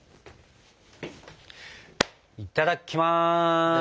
いただきます。